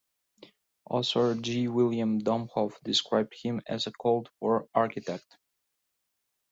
Author G. William Domhoff described him as a "Cold War architect".